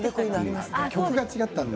曲が違ったんだ。